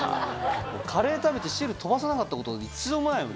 カレー食べて汁飛ばさなかったこと一度もない。